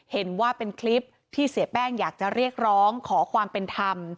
เห็นว่าเป็นคลิปที่เสียแป้งอยากจะเรียกร้องขอความเป็นธรรม